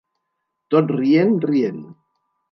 Tot rient, rient.